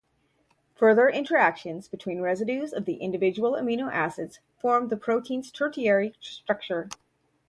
Further interactions between residues of the individual amino acids form the protein's tertiary structure.